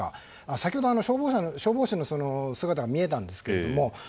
先ほど、消防車の姿が見えたんですけれども。